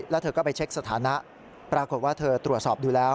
แล้วเธอก็ไปเช็คสถานะปรากฏว่าเธอตรวจสอบดูแล้ว